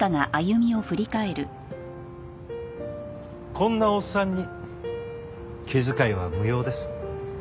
こんなおっさんに気遣いは無用です。